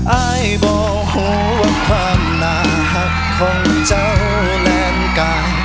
อ้ายบอกหัวว่าความหนาหักของเจ้าแลนด์กาย